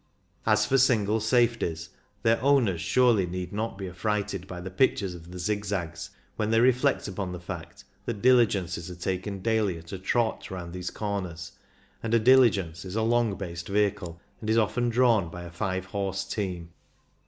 As for single safeties, their owners surely need not be affrighted by the pictures of the zigzags when they reflect upon the fact that diligences are taken daily at a trot round these corners — and a diligence is a long based vehicle, and is often drawn by a five horse team.